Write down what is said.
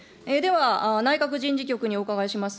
では内閣人事局にお伺いします。